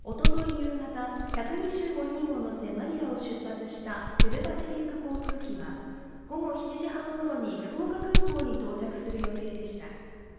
夕方１２５人を乗せマニラを出発したセブ・パシフィック航空機は午後７時半ごろに福岡空港に到着する予定でした